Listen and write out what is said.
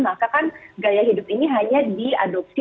maka kan gaya hidup ini hanya diadopsi